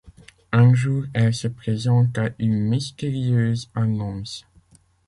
Un jour, elle se présente à une mystérieuse annonce.